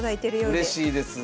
うれしいです。